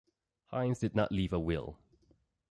Heinze did not leave a will.